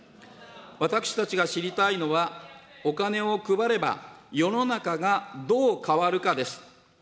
私たちが知りたいのは、お金を配れば、世の中がどう変わるかです。